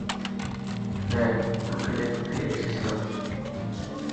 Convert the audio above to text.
হ্যাঁ, তোকে দেখতে এসেছিলাম।